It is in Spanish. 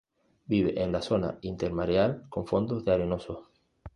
Vive en la zona intermareal con fondos de arenosos.